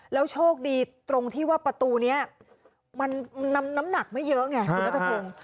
โชคดีตรงที่ว่าประตูนี้มันน้ำหนักไม่เยอะไงคุณนัทพงศ์